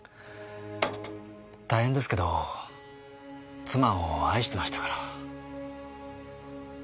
大変ですけど妻を愛してましたから。